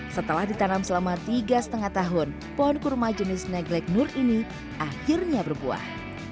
setelah ditanam selama tiga lima tahun pohon kurma jenis neglek nur ini akhirnya berbuah